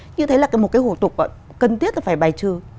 như thế là một cái hủ tục cần thiết là phải bài trừ